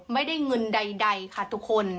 ไม่ได้เงินใดค่ะทุกคน